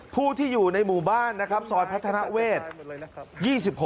ผู้ที่อยู่ในหมู่บ้านซอยพัฒนาเวทย์๒๖